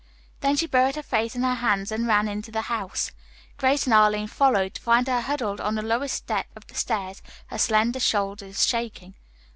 Then she buried her face in her hands and ran into the house. Grace and Arline followed, to find her huddled on the lowest step of the stairs, her slender shoulders shaking.